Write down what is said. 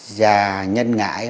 già nhân ngãi